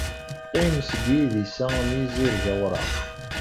Qqim seg yidis-a n yizirig awraɣ.